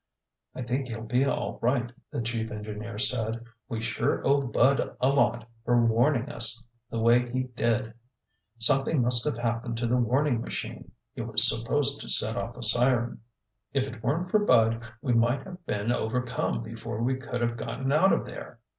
"I think he'll be all right," the chief engineer said. "We sure owe Bud a lot for warning us the way he did. Something must have happened to the warning machine. It was supposed to set off a siren." "If it weren't for Bud we might have been overcome before we could have gotten out of there!"